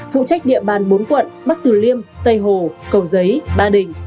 phụ trách địa bàn bốn quận nam từ liêm hà đông thanh xuân hoàng mai